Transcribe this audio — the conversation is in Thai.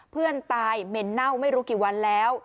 เพื่อนตายเหม็นเน่าไม่รู้กี่วันแล้ว